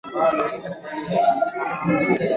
pia ni muhimu kuwaangazia wale ambao wamehusika na